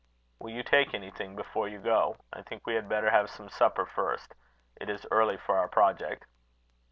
"Will you take anything before you go? I think we had better have some supper first. It is early for our project."